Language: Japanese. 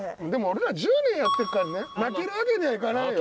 でも俺ら１０年やってるからね。